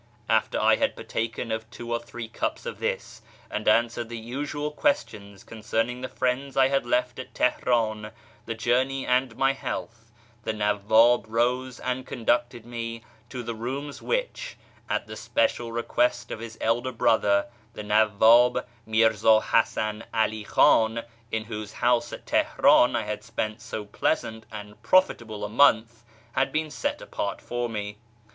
After I had partaken of two or three cups of this, and answered the usual questions concerning the friends I had left at Teheran, the journey, and my health, the Nawwiib rose and conducted me to the rooms which, at the special request of his elder brother, the Nawwab Mirz;i Hasan 'Ali Klu'in (in whose house at Teheran I had spent so pleasant and j)rofi table a month), had been set apart for me.